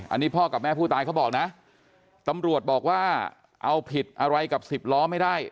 อันนี้พ่อกับแม่ผู้ตายเขาบอกนะตำรวจบอกว่าเอาผิดอะไรกับสิบล้อไม่ได้